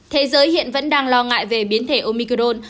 thế giới hiện vẫn đang lo ngại về biến thể omicol